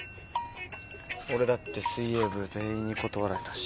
俺だって水泳部全員に断られたし。